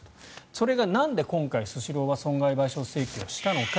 それがなんで今回スシローは損害賠償請求をしたのか。